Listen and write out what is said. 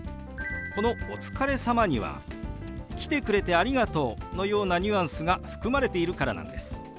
この「お疲れ様」には「来てくれてありがとう」のようなニュアンスが含まれているからなんです。